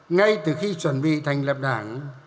ngay từ khi chuẩn bị thành lập đảng